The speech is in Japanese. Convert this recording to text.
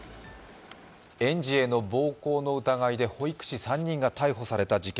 園児への暴行の疑いで保育士３人が逮捕された事件。